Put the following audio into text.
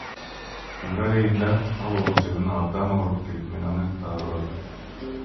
Февраль айында ал Орусиядан абдан ооруп келип, аны мен даарыладым.